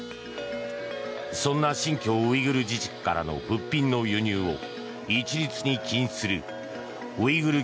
そんな新疆ウイグル自治区からの物品の輸入を一律に禁止するウイグル